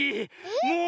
もう。